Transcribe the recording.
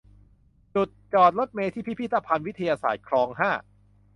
จุดจอดรถเมล์ที่ พิพิธภัณฑ์วิทยาศาสตร์ คลอง ห้า